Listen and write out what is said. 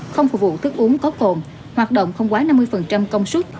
không phục vụ thức uống có cồn hoạt động không quá năm mươi công suất